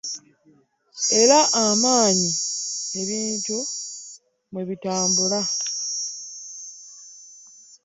Era amanyi ebintu bwe bitambula